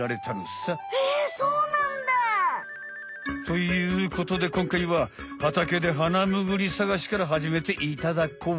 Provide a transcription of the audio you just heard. へえそうなんだ！ということでこんかいははたけでハナムグリさがしからはじめていただこう。